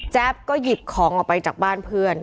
ก็หยิบของออกไปจากบ้านเพื่อน